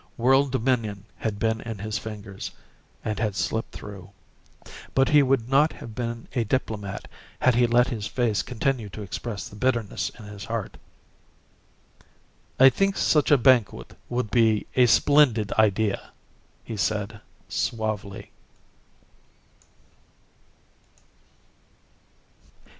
World dominion had been in his fingers and had slipped through but he would not have been a diplomat had he let his face continue to express the bitterness in his heart. "I think such a banquet would be a splendid idea," he said suavely.